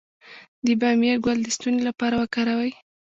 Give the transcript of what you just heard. د بامیې ګل د ستوني لپاره وکاروئ